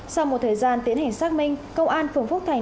sau một thời gian tiến hành xác minh công an phường phúc thành